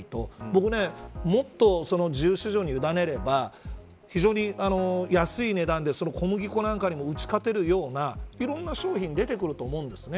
僕、もっと自由市場に委ねれば非常に安い値段で小麦粉なんかにも打ち勝てるようないろんな商品が出てくると思うんです。